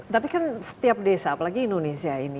tapi kan setiap desa apalagi indonesia ini